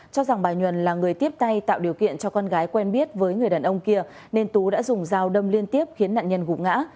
cho rằng bà nhuần là người tiếp tay tạo điều kiện cho con gái quen biết với người đàn ông kia nên tú đã dùng dao đâm liên tiếp khiến nạn nhân gục ngã